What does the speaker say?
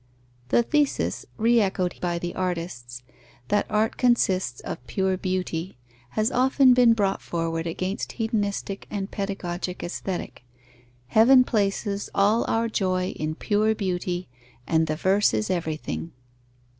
_ The thesis, re echoed by the artists, that art consists of pure beauty, has often been brought forward against hedonistic and pedagogic Aesthetic: "Heaven places All our joy in pure beauty, and the Verse is everything."